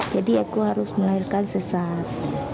jadi aku harus melahirkan sesat